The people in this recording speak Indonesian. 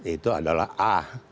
itu adalah a